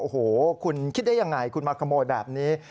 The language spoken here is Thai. โอ้โหคุณคิดได้ยังไงคุณมาขโมยแบบนี้